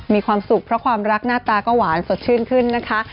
มีความสุขเพราะความรักหน้าตาก็หวานสดชื่นขึ้นนะคะ